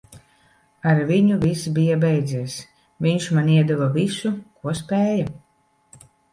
Ar viņu viss bija beidzies. Viņš man iedeva visu, ko spēja.